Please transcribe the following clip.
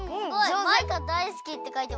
「マイカだいすき」ってかいてます。